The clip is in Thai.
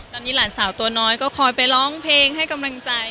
ตอนนี้หลานสาวตัวน้อยก็คอยไปร้องเพลงให้กำลังใจ